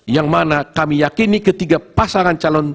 yang mana kami yakini ketiga pasangan calon